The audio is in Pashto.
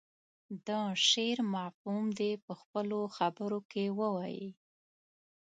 د شعر مفهوم دې په خپلو خبرو کې ووايي.